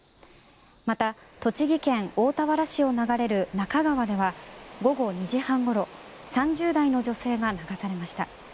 また栃木県大田原市を流れる那珂川では午後２時半ごろ３０代の女性が流されました。